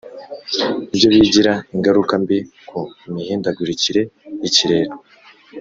Ibyo bigira ingaruka mbi ku mihindagurikire y ikirere